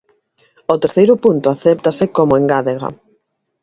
O terceiro punto acéptase como engádega.